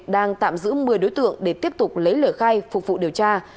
đang tạm giữ một mươi đối tượng để tiếp tục lấy lời khai phục vụ điều tra